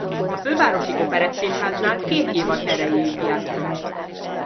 A Fővárosi Operettszínháznál két évad erejéig játszott.